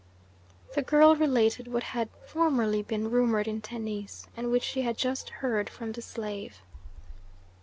The girl related what had formerly been rumoured in Tennis, and which she had just heard from the slave.